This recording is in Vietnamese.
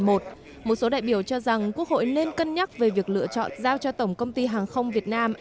một số đại biểu cho rằng quốc hội nên cân nhắc về việc lựa chọn giao cho tổng công ty hàng không việt nam